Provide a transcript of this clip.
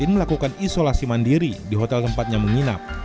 melakukan isolasi mandiri di hotel tempatnya menginap